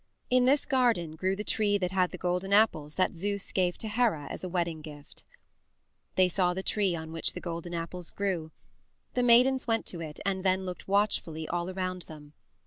In this garden grew the tree that had the golden apples that Zeus gave to Hera as a wedding gift. They saw the tree on which the golden apples grew. The maidens went to it and then looked watchfully all around them.